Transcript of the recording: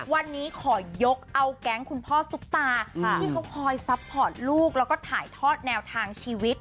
วันนี้ขอยกเอาแก๊งคุณพ่อซุปตาที่เขาคอยซัพพอร์ตลูกแล้วก็ถ่ายทอดแนวทางชีวิต